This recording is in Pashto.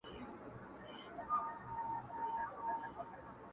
بس ده د خداى لپاره زړه مي مه خوره؛